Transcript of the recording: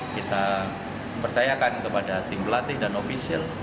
kita percayakan kepada tim pelatih dan ofisial